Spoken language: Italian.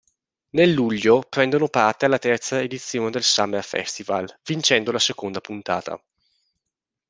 Nel luglio, prendono parte alla terza edizione del Summer Festival, vincendo la seconda puntata.